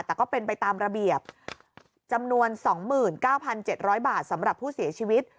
แต่ก็เป็นไปตามระเบียบจำนวน๒๙๗๐๐บาทสำหรับผู้เสียชีวิต